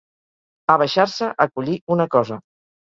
Abaixar-se a collir una cosa.